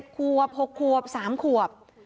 ควบ๖ควบ๓ขวบ